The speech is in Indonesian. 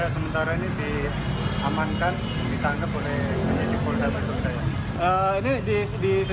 sementara ini diamankan ditangkap oleh penyidik polda metro jaya